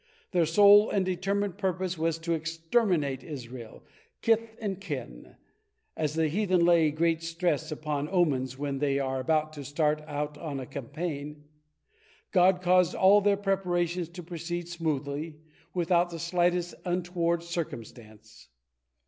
Their sole and determined purpose was to exterminate Israel, kith and kin. As the heathen lay great stress upon omens when they are about to start out on a campaign, God caused all their preparations to proceed smoothly, without the slightest untoward circumstance.